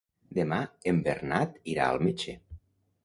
Demà en Bernat irà al metge.